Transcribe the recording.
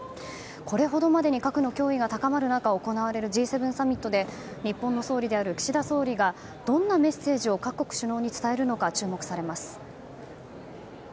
これほどまでに核の脅威が高まる中、行われるＧ７サミットで日本の総理である岸田総理がどんなメッセージを各国首脳に伝えるのか注目されます。